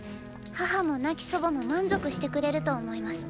母も亡き祖母も満足してくれると思います。